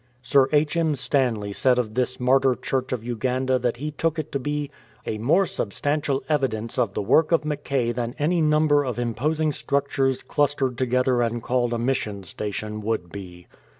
Sir H. M. Stanley said of this martyr Church of Uganda that he took it to be "a more substantial evidence of the work of Mackay than any number of imposing structures clustered together and called a mission station would be."